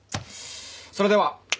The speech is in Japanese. それでは。